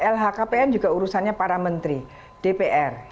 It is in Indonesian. lhkpn juga urusannya para menteri dpr